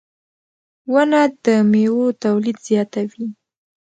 • ونه د میوو تولید زیاتوي.